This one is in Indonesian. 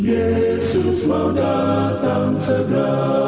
yesus mau datang segera